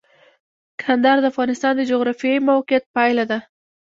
کندهار د افغانستان د جغرافیایي موقیعت پایله ده.